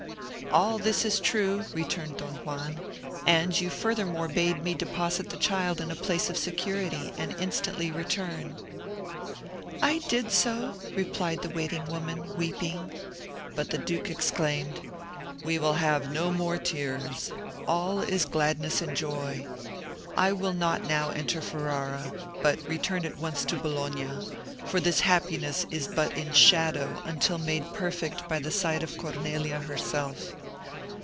"All this is true," returned Don Juan; "and you furthermore bade me deposit the child in a place of security, and instantly return." "I did so," replied the waiting woman, weeping. But the duke exclaimed, "We will have no more tears; all is gladness and joy. I will not now enter Ferrara, but return at once to Bologna; for this happiness is but in shadow until made perfect by the sight of Cornelia herself."